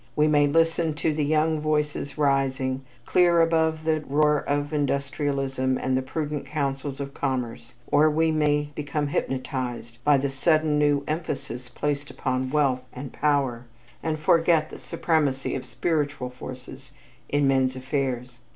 We may listen to the young voices rising clear above the roar of industrialism and the prudent councils of commerce, or we may become hypnotized by the sudden new emphasis placed upon wealth and power, and forget the supremacy of spiritual forces in men's affairs.